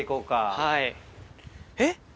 はい。えっ？